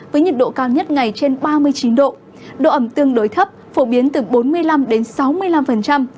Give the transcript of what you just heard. với nhiệt độ cao nhất ngày trên ba mươi chín độ độ ẩm tương đối thấp phổ biến từ bốn mươi năm đến sáu mươi năm